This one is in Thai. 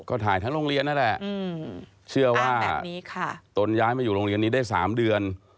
ก็ถ่ายทั้งโรงเรียนนั่นแหละเชื่อว่าตนย้ายมาอยู่โรงเรียนนี้ได้๓เดือน